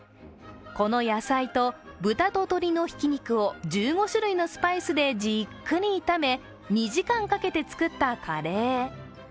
この野菜と豚の鶏のひき肉を１５種類のスパイスでじっくり炒め、２時間かけて作ったカレー。